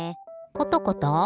コトコト？